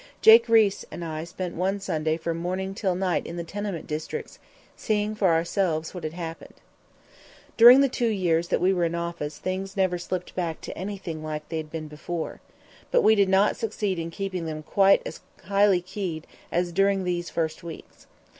Jake Riis and I spent one Sunday from morning till night in the tenement districts, seeing for ourselves what had happened. During the two years that we were in office things never slipped back to anything like what they had been before. But we did not succeed in keeping them quite as highly keyed as during these first weeks.